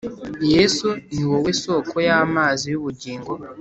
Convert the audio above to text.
Yesu niwowe soko y’amazi y’u bugingo